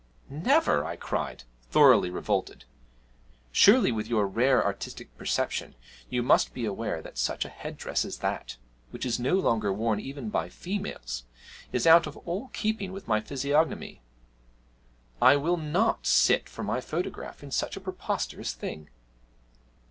'Never!' I cried, thoroughly revolted. 'Surely, with your rare artistic perception, you must be aware that such a headdress as that (which is no longer worn even by females) is out of all keeping with my physiognomy. I will not sit for my photograph in such a preposterous thing!'